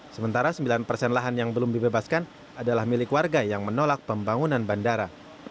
sementara sembilan persen lahan yang belum dibebaskan adalah milik warga yang menolak pembangunan bandara